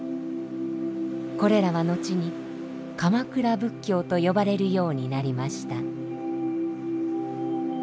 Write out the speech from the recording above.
これらは後に鎌倉仏教と呼ばれるようになりました。